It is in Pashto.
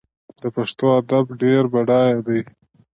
د پښتو ادب ډېر بډایه دی.